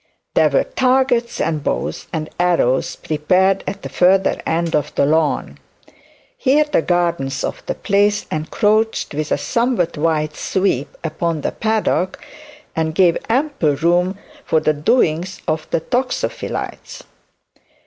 There were targets and bows and arrows prepared at the further end of the lawn. Here the gardens of the place encroached with a somewhat wide sweep upon the paddock, and gave ample room for the doings of the toxophilites.